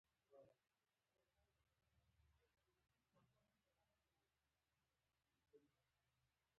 مسکا وکړئ! او پېښي په مېړانه وزغمئ!